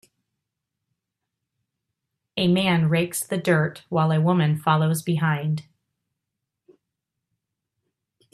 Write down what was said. A man rakes the dirt while a woman follows behind.